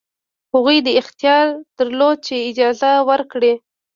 هغوی اختیار درلود چې اجازه ورکړي.